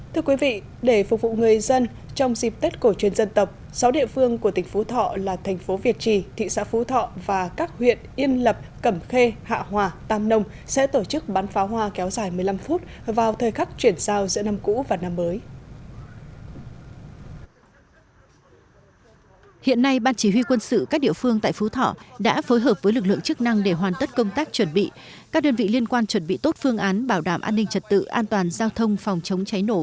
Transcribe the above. thưa quý vị để phục vụ người dân trong dịp tết cổ truyền dân tộc sáu địa phương của tỉnh phú thọ là thành phố việt trì thị xã phú thọ và các huyện yên lập cẩm khê hạ hòa tam nông sẽ tổ chức bán pháo hoa kéo dài một mươi năm phút vào thời khắc chuyển giao giữa năm cũ và năm mới